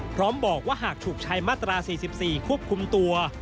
พร้อมบอกว่าหากถูกใช้มาตรา๔๔ควบคุมตัว